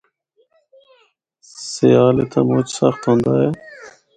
سیال اِتھا مُچ سخت ہوندا اے۔